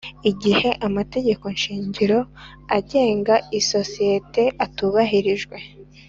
Igihe amategeko shingiro agenga isosiyete atubahirijwe